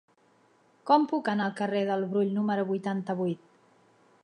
Com puc anar al carrer del Brull número vuitanta-vuit?